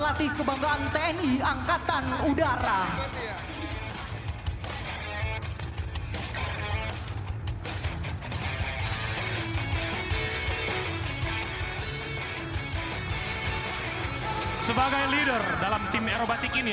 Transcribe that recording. dan kemampuan terbaru